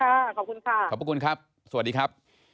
ขอบคุณค่ะขอบพระคุณครับสวัสดีครับ